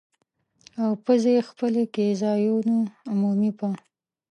او پزې خپلې کې ځایونو عمومي په